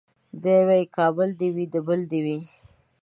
دی وايي کابل دي وي د بل دي وي